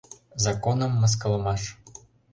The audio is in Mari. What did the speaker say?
Законым мыскылымаш!